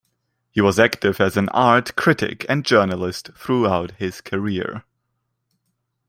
He was active as an art critic and journalist throughout his career.